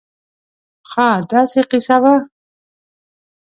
خاا داسې قیصه وه